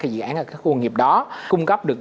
dự án ở các khu công nghiệp đó cung cấp được